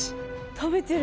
食べてる！